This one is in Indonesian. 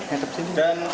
hidup sini dok